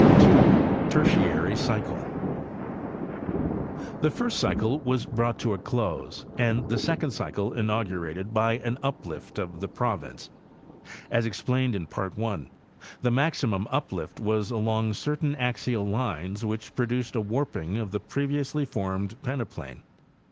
2.—TERTIARY CYCLE. The first cycle was brought to a close and the second cycle inaugurated by an uplift of the province. As explained in Part I, the maximum uplift was along certain axial lines which pro duced a warping of the previously formed peneplain.